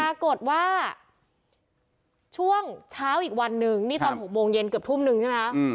ปรากฏว่าช่วงเช้าอีกวันนึงนี่ตอน๖โมงเย็นเกือบทุ่มนึงใช่ไหมคะ